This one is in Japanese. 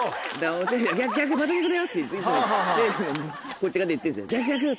こっち側で言ってんですよ。